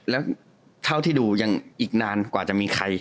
แล้วเท่าที่ดูยังอีกนานกว่าจะมีใคร